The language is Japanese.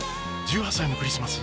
１８歳のクリスマス！